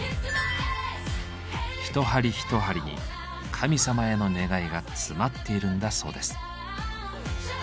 一針一針に神様への願いが詰まっているんだそうです。